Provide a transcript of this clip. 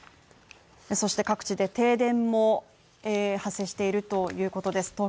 そして各地で停電も発生しているということです